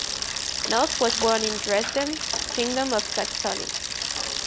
Noth was born in Dresden, Kingdom of Saxony.